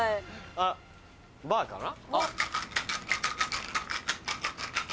あらバーかな？